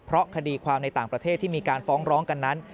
เพราะคดีความในต่างประเทศที่มีการฟ้องร้องกันนั้น